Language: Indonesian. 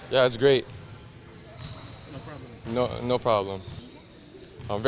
ya itu bagus